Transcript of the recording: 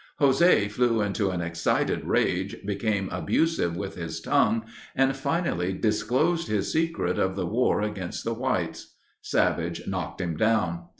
José flew into an excited rage, became abusive with his tongue, and finally disclosed his secret of the war against the whites. Savage knocked him down.